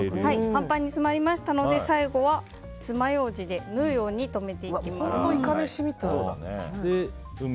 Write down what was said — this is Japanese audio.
パンパンに詰まりましたので最後はつまようじで縫うように本当にイカめしみたい。